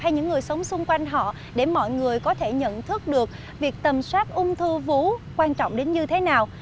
những người sống xung quanh họ để mọi người có thể nhận thức được việc tầm soát ung thư vú quan trọng đến như thế nào